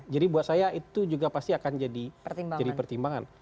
kalau menurut saya itu juga pasti akan jadi pertimbangan